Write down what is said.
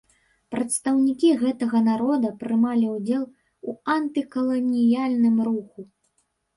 Прадстаўнікі гэтага народа прымалі ўдзел у антыкаланіяльным руху.